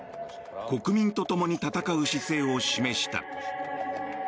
国民とともに戦う姿勢を示した。